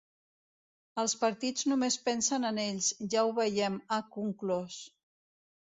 Els partits només pensen en ells, ja ho veiem, ha conclòs.